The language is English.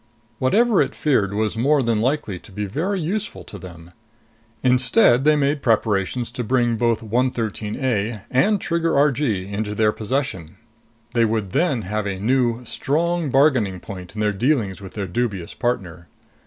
Whatever it feared was more than likely to be very useful to them. Instead they made preparations to bring both 113 A and Trigger Argee into their possession. They would then have a new, strong bargaining point in their dealings with their dubious partner.